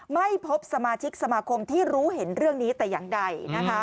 ไม่พบสมาชิกสมาคมที่รู้เห็นเรื่องนี้แต่อย่างใด